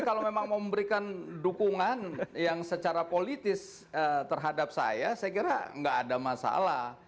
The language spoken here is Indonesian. kalau memang memberikan dukungan yang secara politis terhadap saya segera enggak ada masalah